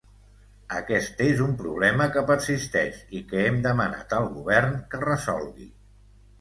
Aquest és un problema que persisteix i que hem demanat al govern que resolgui.